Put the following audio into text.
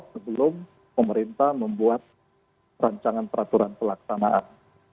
sebelum pemerintah membuat rancangan peraturan pelaksanaan